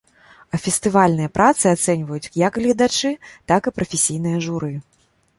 А фестывальныя працы ацэньваюць як гледачы, так і прафесійнае журы.